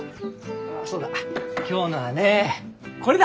ああそうだ今日のはねこれだ。